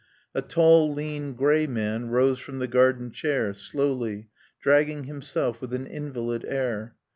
A tall, lean, gray man rose from the garden chair, slowly, dragging himself with an invalid air.